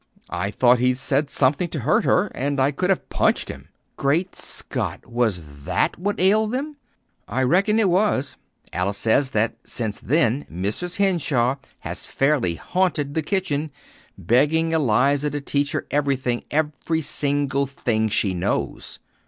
I thought he'd said something to hurt her; and I could have punched him. Great Scott! Was that what ailed them?" "I reckon it was. Alice says that since then Mrs. Henshaw has fairly haunted the kitchen, begging Eliza to teach her everything, every single thing she knows!"